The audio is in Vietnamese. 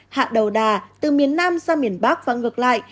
hạ đầu đà từ miền nam sang miền bắc và ngược lại